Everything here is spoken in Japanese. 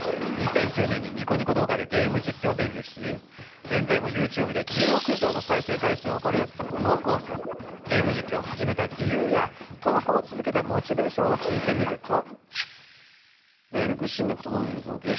２００９年にニコニコ動画でゲーム実況デビューし現在もＹｏｕＴｕｂｅで１０億以上の再生回数を誇るもこうさんにゲーム実況を始めた理由や投稿を続けたモチベーションを聞いてみると。